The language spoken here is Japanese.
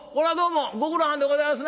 ご苦労はんでございますな。